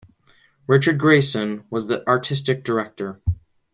Richard Grayson was the Artistic Director.